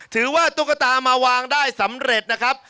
ตุ๊กตามาวางได้สำเร็จนะครับ